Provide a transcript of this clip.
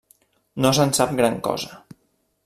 No se'n sap gran cosa.